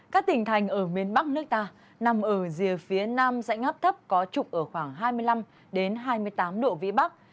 các tỉnh thành ở miền bắc nước ta nằm ở rìa phía nam dãnh áp thấp có trục ở khoảng hai mươi năm hai mươi tám độ vĩ bắc